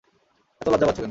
এতো লজ্জা পাচ্ছ কেন।